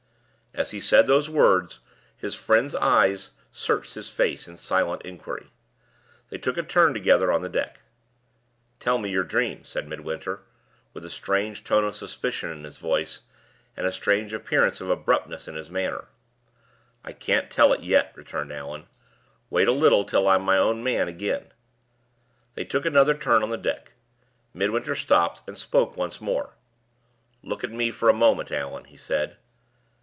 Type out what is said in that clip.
As he said those words, his friend's eyes searched his face in silent inquiry. They took a turn together on the deck. "Tell me your dream," said Midwinter, with a strange tone of suspicion in his voice, and a strange appearance of abruptness in his manner. "I can't tell it yet," returned Allan. "Wait a little till I'm my own man again." They took another turn on the deck. Midwinter stopped, and spoke once more. "Look at me for a moment, Allan," he said.